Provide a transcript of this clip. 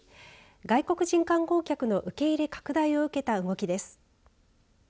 外国人観光客の受け入れ拡大を受けた動きです。